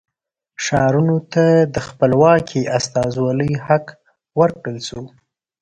ښارونو ته د خپلواکې استازولۍ حق ورکړل شو.